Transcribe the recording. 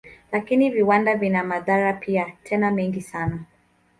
Lakini viwanda vina madhara pia, tena mengi sana.